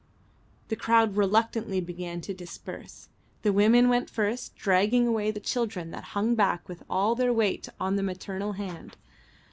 The crowd reluctantly began to disperse. The women went first, dragging away the children that hung back with all their weight on the maternal hand.